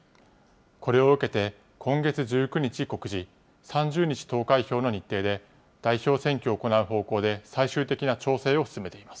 これを受けて今月１９日告示、３０日投開票の日程で代表選挙を行う方向で、最終的な調整を進めています。